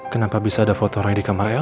kenapa bisa ada foto roy di kamar el